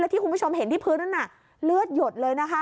ที่คุณผู้ชมเห็นที่พื้นนั้นน่ะเลือดหยดเลยนะคะ